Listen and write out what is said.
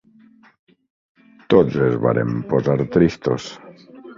Tots es varen posar tristos.